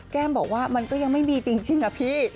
แก้มบอกว่ามันก็ยังไม่มีจริงนะพี่